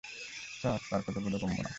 Sir, তার কথা বোধগম্য না।